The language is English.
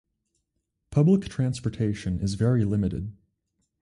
Public transportation is very limited.